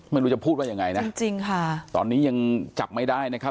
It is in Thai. ไม่รู้จะพูดว่ายังไงนะจริงจริงค่ะตอนนี้ยังจับไม่ได้นะครับ